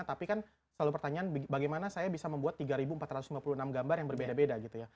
tapi kan selalu pertanyaan bagaimana saya bisa membuat tiga ribu empat ratus lima puluh enam gambar yang berbeda beda gitu ya